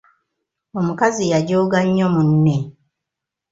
Omukazi yajooga nnyo munne.